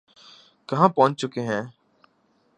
کہاں پہنچ چکے ہیں۔